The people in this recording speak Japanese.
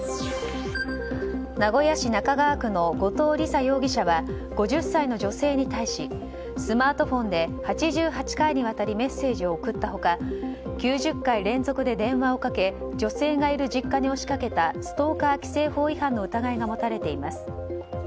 名古屋市中川区の後藤理佐容疑者は５０歳の女性に対しスマートフォンで８８回にわたりメッセージを送った他９０回連続で電話をかけ女性がいる実家に押し掛けたストーカー規制法違反の疑いが持たれています。